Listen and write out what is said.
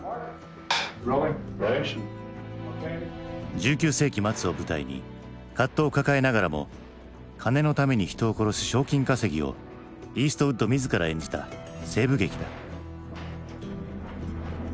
１９世紀末を舞台に葛藤を抱えながらも金のために人を殺す賞金稼ぎをイーストウッド自ら演じた西部劇だ。